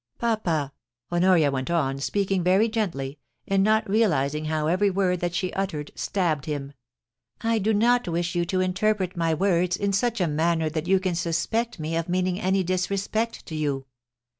Papa,' Honoria went on, speaking very gently, and not realising how every word that she uttered stabbed him, * I do not wish you to interpret my words in such a manner that you can suspect me of meaning any disrespect to you.